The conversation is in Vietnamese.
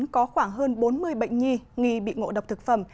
có khoảng hơn bốn mươi bệnh nhi nghi bị ngộ độc thực phẩm